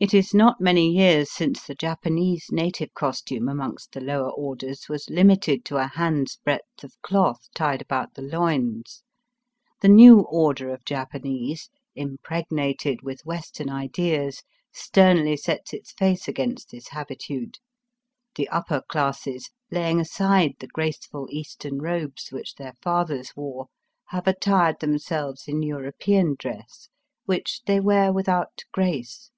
It is not many years since the Japanese native costume amongst the lower orders was limited to a hand's breadth of cloth tied about the loins. The new order of Japanese, impregnated with Western ideas, sternly sets its face against this habitude. The upper classes, laying aside the graceful Eastern robes which their fathers wore, have attired themselves in European dress, which they wear without grace.